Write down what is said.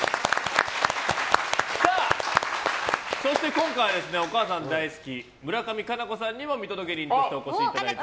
そして今回はお母さん大好き村上佳菜子さんにも見届け人としてお越しいただいています。